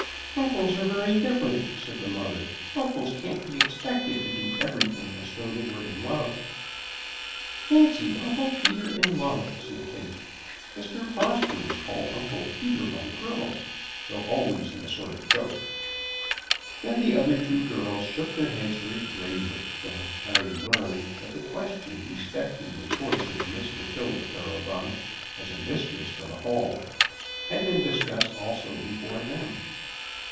"Uncles are very different," said the mother; "uncles can't be expected to do everything as though they were in love." "Fancy Uncle Peter in love!" said Kate. Mr. Prosper was called Uncle Peter by the girls, though always in a sort of joke. Then the other two girls shook their heads very gravely, from which Harry learned that the question respecting the choice of Miss Matilda Thoroughbung as a mistress for the Hall had been discussed also before them.